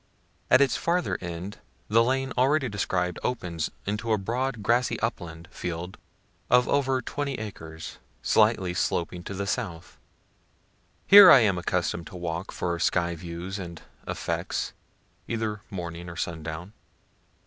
_ At its farther end the lane already described opens into a broad grassy upland field of over twenty acres, slightly sloping to the south. Here I am accustom'd to walk for sky views and effects, either morning or sundown.